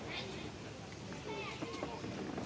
สวัสดีครับทุกคน